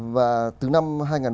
và từ năm hai nghìn một mươi sáu